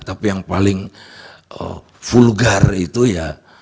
tapi yang paling vulgar itu ya